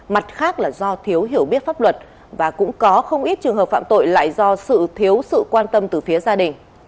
mặt khác là do thiếu hiểu biết pháp luật và cũng có không ít trường hợp phạm tội lại do sự thiếu sự quan tâm từ phía gia đình